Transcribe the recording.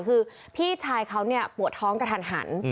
คือพี่ชายเขาปวดท้องกระทันหัน